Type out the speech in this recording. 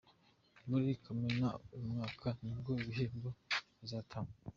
Muri Kamena uyu mwaka nibwo ibihembo bizatangwa.